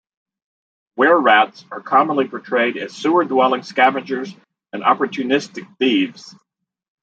Were-rats are commonly portrayed as sewer-dwelling scavengers and opportunistic thieves.